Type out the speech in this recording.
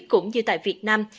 cũng như tại việt nam